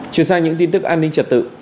chuyển sang những tin tức an ninh trật tự